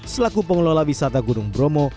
selaku pengelola wisata gunung bromo